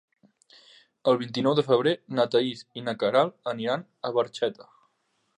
El vint-i-nou de febrer na Thaís i na Queralt aniran a Barxeta.